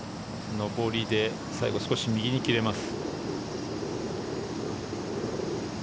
上りで最後少し右に切れます。